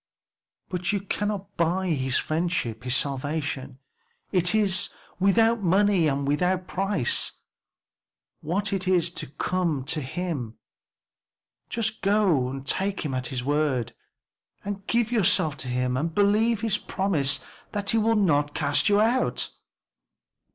"But you cannot buy his friendship his salvation; it is 'without money and without price.' What is it to come to him? Just to take him at his word, give yourself to him and believe his promise that he will not cast you out."